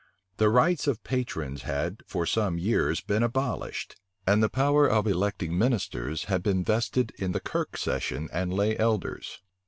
The rights of patrons had for some years been abolished; and the power of electing ministers had been vested in the kirk session and lay elders.